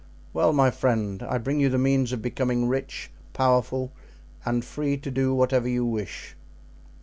"Well, my friend, I bring you the means of becoming rich, powerful, and free to do whatever you wish."